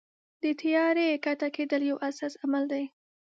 د طیارې کښته کېدل یو حساس عمل دی.